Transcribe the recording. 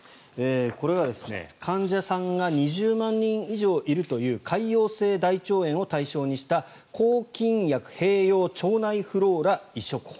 これは、患者さんが２０万人以上いるという潰瘍性大腸炎を対象にした抗菌薬併用腸内フローラ移植法。